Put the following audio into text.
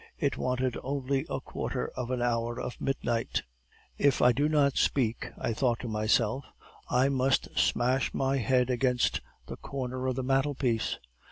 It wanted only a quarter of an hour of midnight. "'If I do not speak,' I thought to myself, 'I must smash my head against the corner of the mantelpiece.